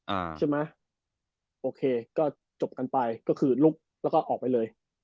อ่าใช่ไหมโอเคก็จบกันไปก็คือลุกแล้วก็ออกไปเลย